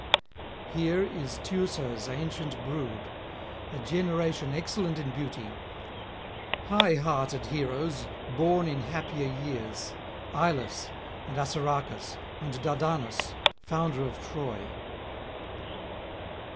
Here is Teucer's ancient brood, a generation excellent in beauty, high hearted heroes born in happier years, Ilus and Assaracus, and Dardanus, founder of Troy.